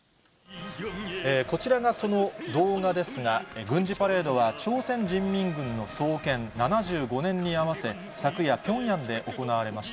こちらがその動画ですが、軍事パレードは朝鮮人民軍の創建７５年に合わせ、昨夜、ピョンヤンで行われました。